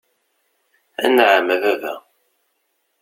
Anɛam, a baba.